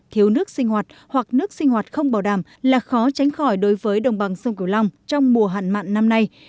thiếu nước sinh hoạt hoặc nước sinh hoạt không bảo đảm là khó tránh khỏi đối với đồng bằng sông cửu long trong mùa hạn mặn năm nay